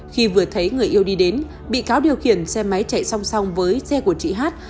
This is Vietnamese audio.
khi vừa thấy người yêu đi đến bị cáo điều khiển xe máy chạy song song với xe của chị hát